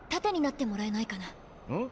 ん？